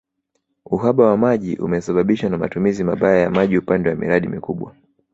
Uhaba wa maji umesababishwa na matumizi mabaya ya maji upande wa miradi mikubwa